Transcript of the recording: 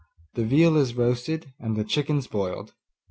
The veal is roasted, and the chickens boiled.